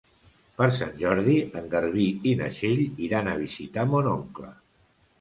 Per Sant Jordi en Garbí i na Txell iran a visitar mon oncle.